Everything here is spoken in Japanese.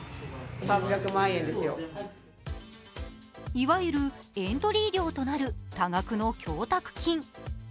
いわゆるエントリー料となる多額の供託金。